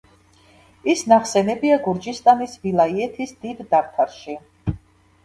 ის ნახსენებია გურჯისტანის ვილაიეთის დიდ დავთარში.